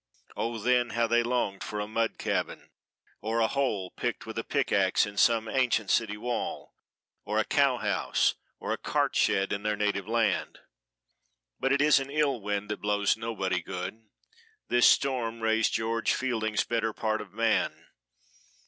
Oh! then, how they longed for a mud cabin, or a hole picked with a pickax in some ancient city wall, or a cow house, or a cart shed in their native land. But it is an ill wind that blows nobody good. This storm raised George Fielding's better part of man.